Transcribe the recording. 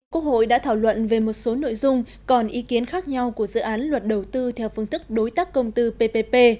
quốc hội đã thảo luận về một số nội dung còn ý kiến khác nhau của dự án luật đầu tư theo phương tức đối tác công tư ppp